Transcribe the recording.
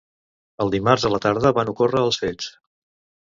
El dimarts a la tarda van ocórrer els fets.